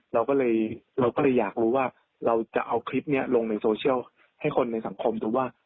เราก็เลยเราก็เลยอยากรู้ว่าเราจะเอาคลิปนี้ลงในโซเชียลให้คนในสังคมดูว่า